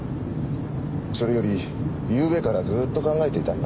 それよりゆうべからずーっと考えていたんだ。